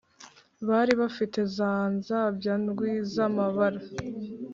bari bafite za nzabya ndwi z'amabara